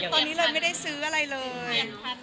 ตอนนี้เลยไม่ได้ซื้ออะไรเลย